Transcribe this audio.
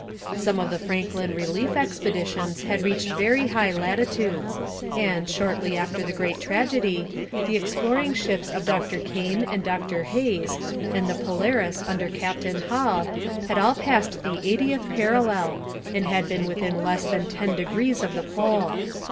Some of the Franklin relief expeditions had reached very high latitudes, and, shortly after the great tragedy, the exploring ships of Dr Kane and Dr Hayes, and the Polaris under Captain Hall, had all passed the eightieth parallel and been within less than ten degrees of the Pole.